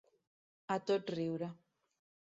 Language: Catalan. A tot riure.